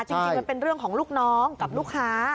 จริงมันเป็นเรื่องของลูกน้องกับลูกค้า